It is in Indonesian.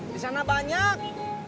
di sana banyak